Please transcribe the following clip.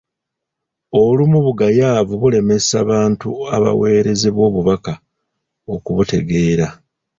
Olumu bugayaavu bulemesa bantu abaweerezebwa obubaka okubutegeera.